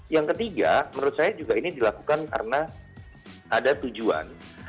yang ketiga menurut saya juga ini dilakukan karena ada tujuan